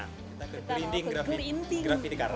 kita mau ke glinding graffiti car